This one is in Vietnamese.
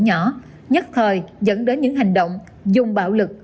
những vụ án nhỏ nhất thời dẫn đến những hành động dùng bạo lực